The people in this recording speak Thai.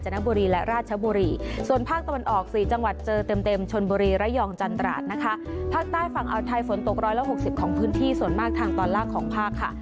บุรีและราชบุรีส่วนภาคตะวันออกสี่จังหวัดเจอเต็มเต็มชนบุรีระยองจันตราดนะคะภาคใต้ฝั่งอาวไทยฝนตกร้อยละหกสิบของพื้นที่ส่วนมากทางตอนล่างของภาคค่ะ